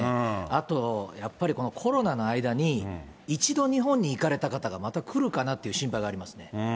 あと、やっぱりこのコロナの間に、一度日本に行かれた方がまた来るかなっていう心配がありますね。